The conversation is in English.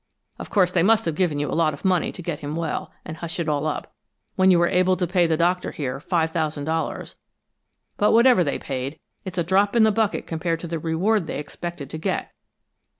Of course they must have given you a lot of money to get him well, and hush it all up, when you were able to pay the Doctor, here, five thousand dollars, but whatever they paid, it's a drop in the bucket compared to the reward they expected to get.